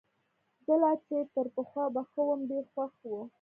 زه لا چي تر پخوا به ښه وم، ډېر خوښ وو.